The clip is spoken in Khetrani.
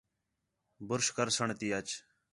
برش کر سݨ تی اچ